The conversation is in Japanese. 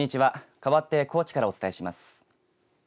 かわって高知からお伝えします。